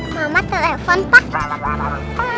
mama telepon pak